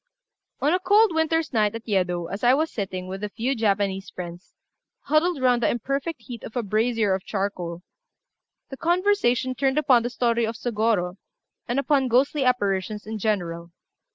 One cold winter's night at Yedo, as I was sitting, with a few Japanese friends, huddled round the imperfect heat of a brazier of charcoal, the conversation turned upon the story of Sôgorô and upon ghostly apparitions in general.